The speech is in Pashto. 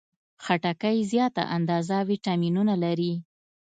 خټکی زیاته اندازه ویټامینونه لري.